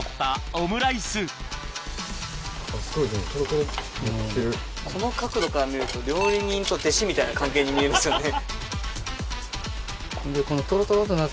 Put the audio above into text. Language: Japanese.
この角度から見ると料理人と弟子みたいな関係に見えますよね。